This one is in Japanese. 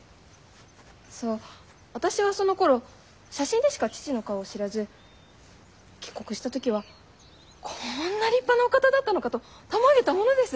そう私はそのころ写真でしか父の顔を知らず帰国した時はこんな立派なお方だったのかとたまげたものです。